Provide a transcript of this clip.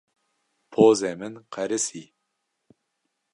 Pozê min qerisî.